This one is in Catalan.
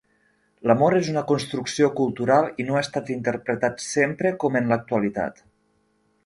L'amor és una construcció cultural i no ha estat interpretat sempre com en l’actualitat.